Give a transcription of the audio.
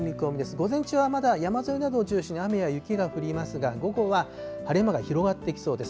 午前中はまだ、山沿いなどを中心に雨や雪が降りますが、午後は晴れ間が広がってきそうです。